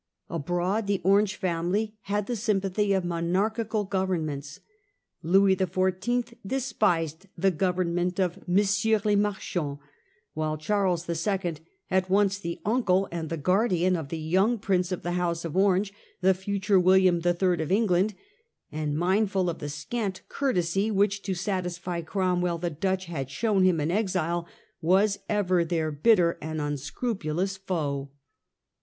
Abroad the Orange family had the sympathy of monarchical Governments. Louis XIV. despised the Government of 'Messieurs les Marchands,* while Charles II., at once the uncle and the guardian of the young Prince of the house of Orange, the future William III. of England, and mindful of the scant courtesy which, to satisfy Cromwell, the Dutch had shown him in exile, was ever their bitter and unscrupulous foe.